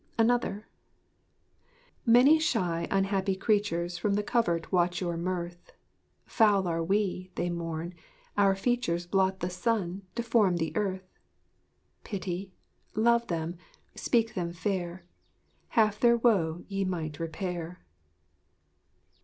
_ ANOTHER Many shy, unhappy creatures From the covert watch your mirth: 'Foul are we,' they mourn; 'our features Blot the sun, deform the earth.' Pity, love them, speak them fair; _Half their woe ye may repair.